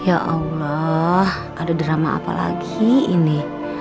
ya allah ada drama apa lagi ini